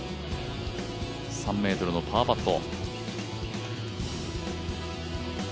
３ｍのパーパット。